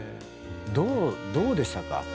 どうでしたか？